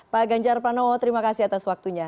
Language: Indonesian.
pak ganjar pranowo terima kasih atas waktunya